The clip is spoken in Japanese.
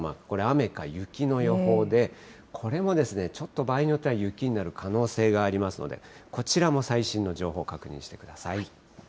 これ、雨か雪の予報で、これもですね、ちょっと場合によっては雪になる可能性がありますので、こちらも最新の情報、確認してください。